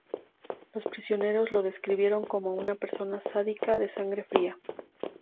Los prisioneros lo describieron como una persona sádica de sangre fría.